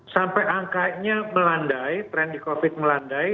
sampai angkanya melandai tren di covid melandai